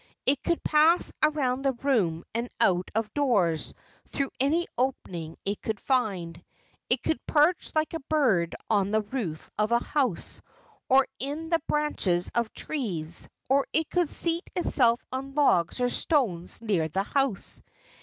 It could pass around the room and out of doors through any opening it could find. It could perch like a bird on the roof of a house or in the branches of trees, or it could seat itself on logs or stones near the house.